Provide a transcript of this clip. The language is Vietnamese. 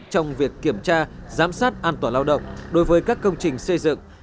trong việc kiểm tra giám sát an toàn lao động đối với các công trình xây dựng